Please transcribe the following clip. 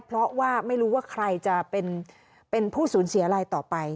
เพราะว่าไม่รู้ว่าใครจะเป็นผู้สูญเสียอะไรต่อไป